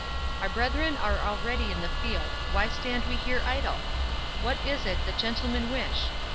"Our brethren are already in the field; why stand we here idle? What is it that gentlemen wish?